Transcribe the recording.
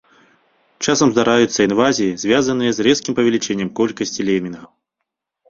Часам здараюцца інвазіі, звязаныя з рэзкім павелічэннем колькасці лемінгаў.